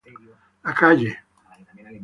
La calle St.